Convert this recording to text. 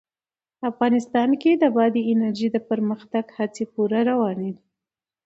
افغانستان کې د بادي انرژي د پرمختګ هڅې پوره روانې دي.